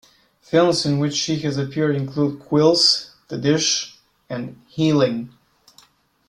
Films in which she has appeared include "Quills", "The Dish" and "Healing".